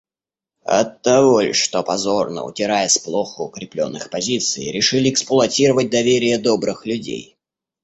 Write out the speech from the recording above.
Оттого ль, что, позорно удирая с плохо укреплённых позиций, решили эксплуатировать доверие добрых людей?